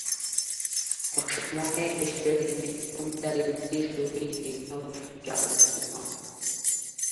অসমে এসে তিনি প্রমিলা দেবীর সহিত বিবাহ সম্পর্কে আবদ্ধ হন।